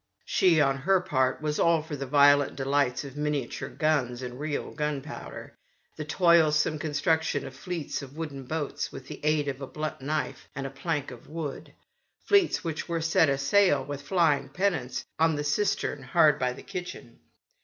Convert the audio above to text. She, on her part, was all for the violent delights of miniature guns and real gunpowder, the toilsome construction of fleets of wooden boats with the aid of a blunt knife and a plank of wood : fleets which were set a sail, with flying penants, on the cistern hard by the kitchen.